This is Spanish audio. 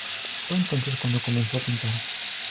Fue entonces cuando comenzó a pintar.